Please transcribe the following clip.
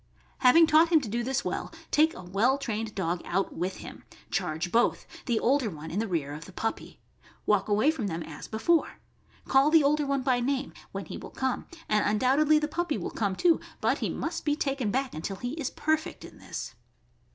Having taught him to do this well, take a well trained dog out with him; charge both, the older one in the rear of the puppy; walk away from them as before; call the older one by name, when he will come, and undoubtedly the puppy will come too, but he must be taken back until he is perfect in this.